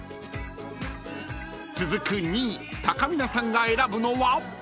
［続く２位たかみなさんが選ぶのは？］